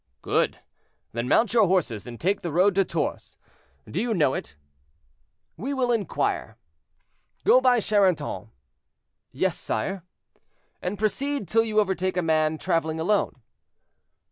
"Good! Then mount your horses, and take the road to Tours—do you know it?" "We will inquire." "Go by Charenton." "Yes, sire." "And proceed till you overtake a man traveling alone."